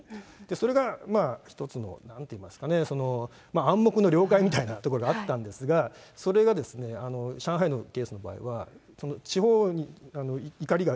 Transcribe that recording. それが一つのなんていいますかね、暗黙の了解みたいなところ、あったんですが、それが上海のケースの場合は、地方に怒りが、